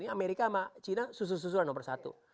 ini amerika sama cina susu susuran nomor satu